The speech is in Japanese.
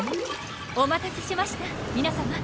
お待たせしました皆さま。